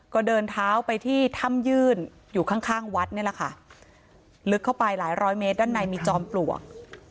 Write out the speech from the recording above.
ก็เดินเท้าไปที่ถ้ำยื่นอยู่ข้างข้างวัดนี่แหละค่ะลึกเข้าไปหลายร้อยเมตรด้านในมีจอมปลวก